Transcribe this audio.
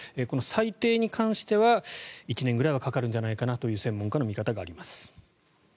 この裁定に関しては１年ぐらいはかかるんじゃないかという専門家の見方があります。